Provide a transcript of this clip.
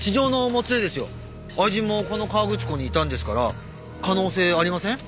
愛人もこの河口湖にいたんですから可能性ありません？